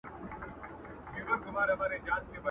ستا د موسکا، ستا د ګلونو د ګېډیو وطن.!